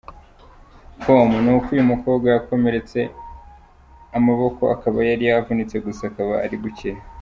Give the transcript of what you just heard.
com ni uko uyu mukobwa yakomeretse amaboko akaba yari yavunitse gusa akaba ari gukira.